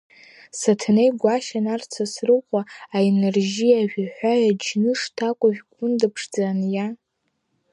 Саҭанеи Гәашьа Нарҭ Сасрыҟәа Аинар-жьи ажәаҳәаҩ аџьныш ҭакәажә Гәында-ԥшӡа аниа…